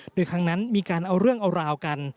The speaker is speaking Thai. โดยครั้งนั้นมีการเอาเรื่องเอาราวกัน